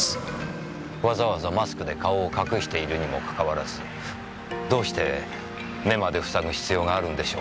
わざわざマスクで顔を隠しているにもかかわらずどうして目までふさぐ必要があるんでしょうねえ？